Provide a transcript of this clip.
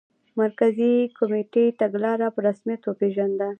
مرکزي کمېټې تګلاره په رسمیت وپېژنده.